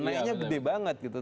naiknya gede banget gitu